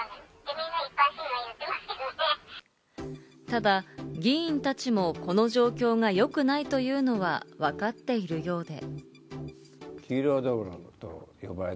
ただ、議員たちもこの状況が良くないというのはわかっているようで。